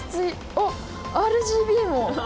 あっ「ＲＧＢ」も！